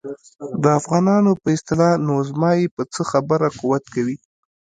د افغانانو په اصطلاح نو زما یې په څه خبره قوت کوي.